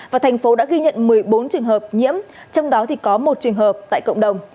và thành phố đã ghi nhận một mươi bốn trường hợp nhiễm trong đó có một trường hợp tại cộng đồng